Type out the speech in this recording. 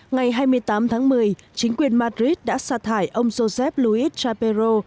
ngày hai mươi tám tháng một mươi chính quyền madrid đã sạt hại ông josep luis chapeiro